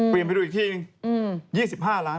เปรียบไปดูอีกที๒๕ล้าน